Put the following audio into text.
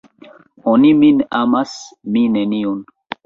Oni min amas, mi neniun!